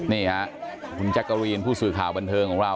นี่ค่ะคุณแจ๊กกะรีนผู้สื่อข่าวบันเทิงของเรา